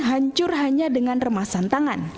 hancur hanya dengan remasan tangan